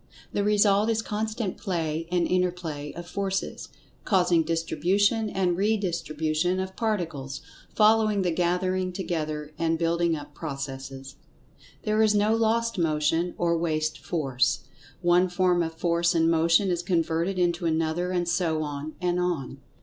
The result is constant play and inter play of forces, causing distribution, and redistribution of Particles, following the gathering together and building up processes. There is no lost motion, or waste force. One form of force and motion is converted into another, and so on, and on.